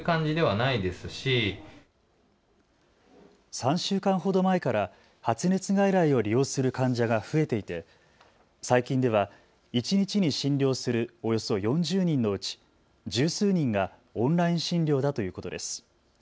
３週間ほど前から発熱外来を利用する患者が増えていて最近では一日に診療するおよそ４０人のうち十数人がオンライン診療だということです。